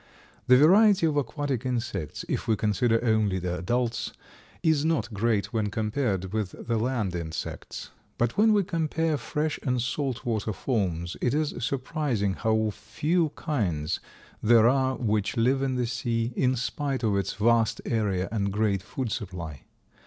The variety of aquatic insects, if we consider only the adults, is not great when compared with the land insects. But when we compare fresh and salt water forms it is surprising how few kinds there are which live in the sea, in spite of its vast area and great food supply.